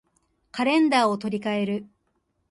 カレンダーを取り換える